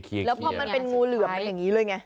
แล้วพอมันเป็นงูเหลือมมันอย่างนี้เลยไง